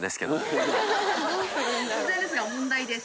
突然ですが問題です。